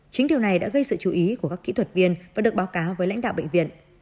chính điều này đã gây sự chú ý của các kỹ thuật viên và được báo cáo với lãnh đạo bệnh viện